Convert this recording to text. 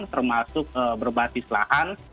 termasuk berbasis lahan